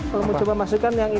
kalau mau coba masukkan yang